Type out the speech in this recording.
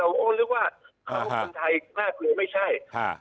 เราโอนลึกว่าโรคนไทยมากกว่าไม่ใช่